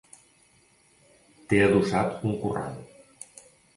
Té adossat un corral.